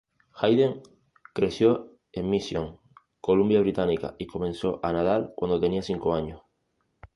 Hayden creció en Mission, Columbia Británica y comenzó a nadar cuando tenía cinco años.